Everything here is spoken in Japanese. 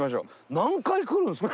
何回来るんですか？